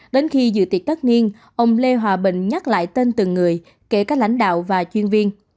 đến khi dự tiệc tất niên ông lê hòa bình nhắc lại tên từng người kể cả lãnh đạo và chuyên viên